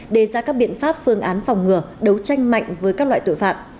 đề ra các biện pháp phương án phòng ngừa đấu tranh mạnh với các loại tội phạm